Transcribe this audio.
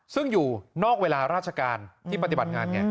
ซึ่งอยู่นอกเวลาราชการที่ปฏิบัติงานไง